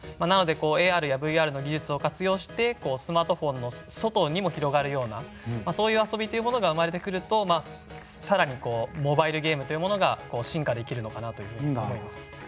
なのでＡＲやＶＲの技術を活用してスマートフォンの外にも広がるようなそういう遊びというものが生まれてくるとさらにモバイルゲームというものが進化できるのかなというふうに思います。